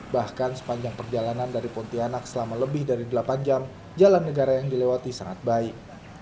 bahkan sepanjang perjalanan dari pontianak selama lebih dari delapan jam jalan negara yang dilewati sangat baik